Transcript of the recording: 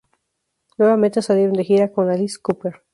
Nuevamente salieron de gira con Alice Cooper.